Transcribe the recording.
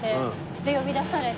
で呼び出されて。